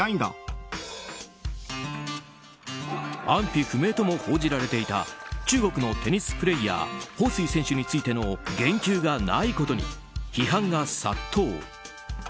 安否不明とも報じられていた中国のテニスプレイヤーホウ・スイ選手についての言及がないことに批判が殺到。